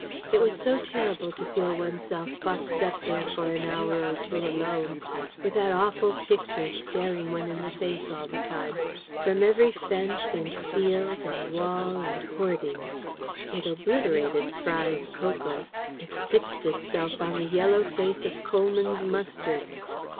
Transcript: It was so terrible to feel oneself boxed up there for an hour or two alone, with that awful Picture staring one in the face all the time from every fence and field and wall and hoarding. It obliterated Fry's Cocoa; it fixed itself on the yellow face of Colman's Mustard.